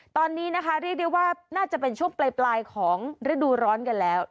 ตอนนี้นะคะเรียกได้ว่าน่าจะเป็นช่วงปลายของฤดูร้อนกันแล้ว